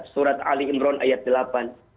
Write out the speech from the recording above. surat ali imron ayat delapan